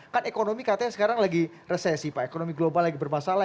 kan ekonomi katanya sekarang lagi resesi pak ekonomi global lagi bermasalah